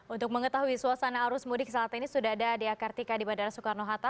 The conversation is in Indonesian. untuk mengetahui suasana arus mudik saat ini sudah ada dea kartika di bandara soekarno hatta